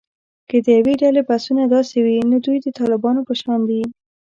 که د یوې ډلې بحثونه داسې وي، نو دوی د طالبانو په شان دي